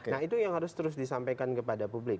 nah itu yang harus terus disampaikan kepada publik